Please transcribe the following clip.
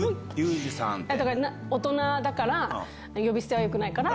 だから、大人だから、呼び捨てはよくないから、